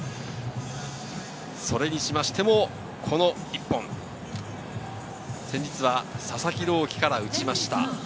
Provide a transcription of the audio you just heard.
それにしてもこの１本、先日は佐々木朗希から打ちました。